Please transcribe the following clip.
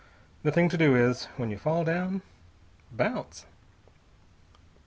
The thing to do is, when you fall down bounce!"